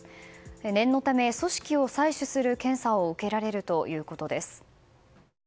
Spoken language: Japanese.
念のため組織を採取する検査を受けられるということです。